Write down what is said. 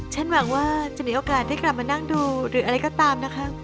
หวังว่าจะมีโอกาสได้กลับมานั่งดูหรืออะไรก็ตามนะคะ